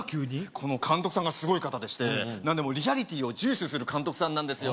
この監督さんがすごい方でして何でもリアリティーを重視する監督さんなんですよ